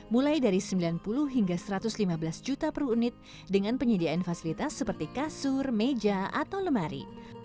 mulai dari sembilan puluh hingga satu ratus lima belas juta per unit dengan penyediaan fasilitas seperti kasur meja atau lemari